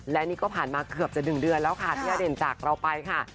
และนี่ก็ผ่านมาเกือบจะ๑เดือนแล้วค่ะที่อเด่นจากเราไปค่ะ